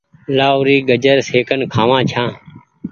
لآهوري گآجر سيڪين کآوآن ڇآن ۔